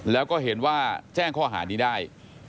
แล้วก็เห็นว่าแจ้งข้อหานี้ได้